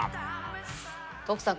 徳さん